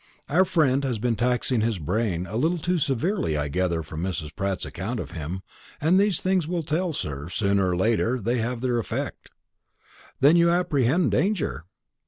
Our friend has been taxing his brain a little too severely, I gather from Mrs. Pratt's account of him; and these things will tell, sir; sooner or later they have their effect." "Then you apprehend danger?"